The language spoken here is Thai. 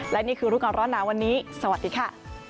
และนี่คือรู้ก่อนร้อนหนาวันนี้สวัสดีค่ะ